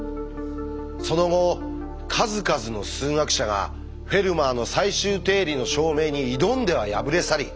その後数々の数学者が「フェルマーの最終定理」の証明に挑んでは敗れ去り